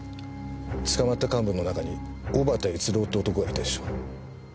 捕まった幹部の中に小幡悦郎って男がいたでしょ。